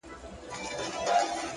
o گوره په ما باندي ده څومره خپه؛